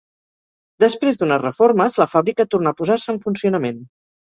Després d'unes reformes, la fàbrica tornà a posar-se en funcionament.